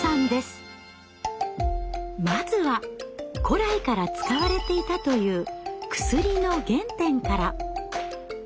まずは古来から使われていたという薬の原点から。